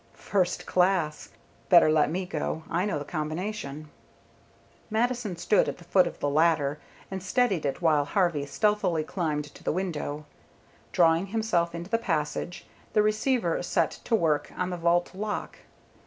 "First class. Better let me go, I know the combination." Mattison stood at the foot of the ladder, and steadied it while Harvey stealthily climbed to the window. Drawing himself into the passage, the receiver set to work on the vault lock.